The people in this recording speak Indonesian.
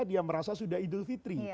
dia merasa sudah idul fitri